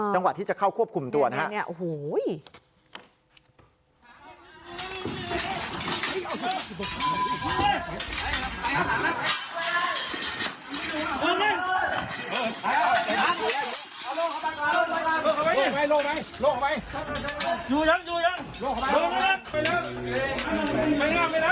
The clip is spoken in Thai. จังหวัดที่จะเข้าควบคุมตัวนะฮะ